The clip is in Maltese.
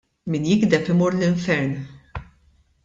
Min jigdeb imur l-infern.